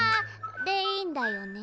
でいいんだよね？